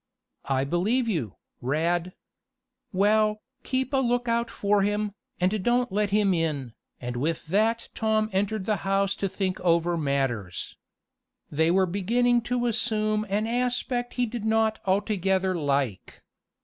"I believe you, Rad. Well, keep a lookout for him, and don't let him in," and with that Tom entered the house to think over matters. They were beginning to assume an aspect he did not altogether like.